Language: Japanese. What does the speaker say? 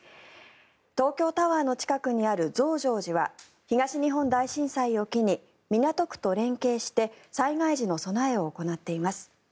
東京タワーの近くにある増上寺は東日本大震災を機に港区と連携して災害時の備えを行っています。